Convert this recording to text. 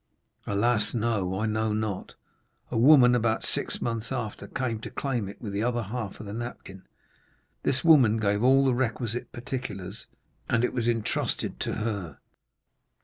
Alas, no, I know not. A woman, about six months after, came to claim it with the other half of the napkin. This woman gave all the requisite particulars, and it was intrusted to her."